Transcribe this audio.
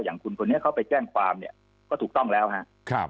อย่างคุณคนนี้เขาไปแจ้งความเนี่ยก็ถูกต้องแล้วครับ